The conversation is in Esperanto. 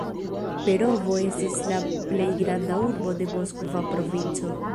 Perovo estis la plej granda urbo de Moskva provinco.